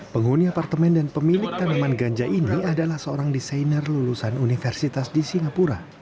penghuni apartemen dan pemilik tanaman ganja ini adalah seorang desainer lulusan universitas di singapura